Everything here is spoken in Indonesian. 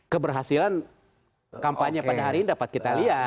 keberhasilan kampanye pada hari ini dapat kita lihat